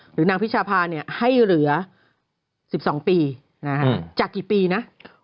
หรือนางพิชาภาเนี่ยให้เหลือ๑๒ปีจากกี่ปีนะ